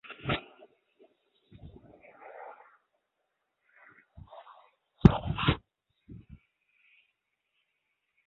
他是荒诞派戏剧的重要代表人物。